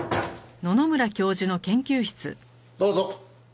どうぞ。